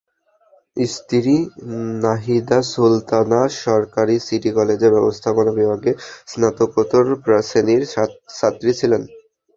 স্ত্রী নাহিদা সুলতানা সরকারি সিটি কলেজের ব্যবস্থাপনা বিভাগে স্নাতকোত্তর শ্রেণির ছাত্রী ছিলেন।